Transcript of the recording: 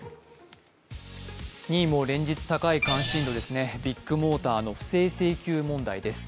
２位も連日高い関心度ですねビッグモーターの不正請求問題です。